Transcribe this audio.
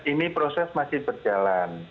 ini proses masih berjalan